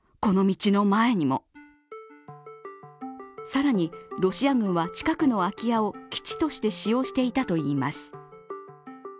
更にロシア軍は近くの空き家を基地として使用していたといいます。